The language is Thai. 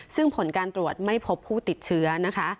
ซึ่งผลการตรวจไม่พบผู้ติดเชื้อนะคะ